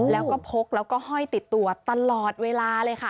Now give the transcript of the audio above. แล้วก็พกแล้วก็ห้อยติดตัวตลอดเวลาเลยค่ะ